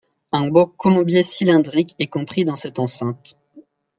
Un beau colombier cylindrique est compris dans cette enceinte.